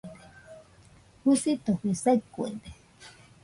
Jusitofe saɨkuede.